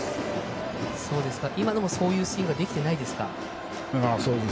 今のもそういうスイングはできていないですか。